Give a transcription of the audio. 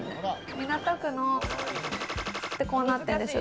港区のって、こうなってるんですよ。